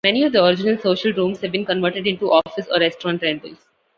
Many of the original social rooms have been converted into office or restaurant rentals.